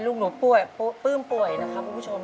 ลูกหนูป่วยปลื้มป่วยนะครับคุณผู้ชม